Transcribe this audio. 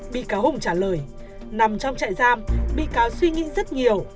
bị cáo hùng trả lời nằm trong trại giam bị cáo suy nghĩ rất nhiều